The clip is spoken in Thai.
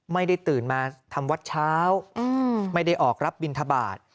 ไม่ได้ตื่นมาทำวัดเช้าไม่ได้ออกรับบินทบาท